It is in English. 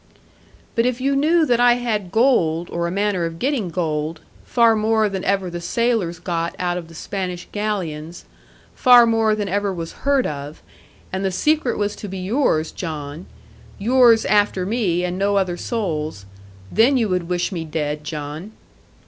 'But if you knew that I had gold, or a manner of getting gold, far more than ever the sailors got out of the Spanish galleons, far more than ever was heard of; and the secret was to be yours, John; yours after me and no other soul's then you would wish me dead, John.'